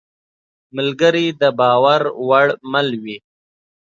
ملګری د باور وړ مل وي.